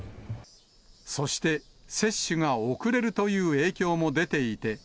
そして、接種が遅れるという影響も出ていて。